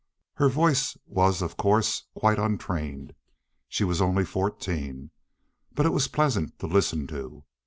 Her voice was, of course, quite untrained—she was only fourteen—but it was pleasant to listen to.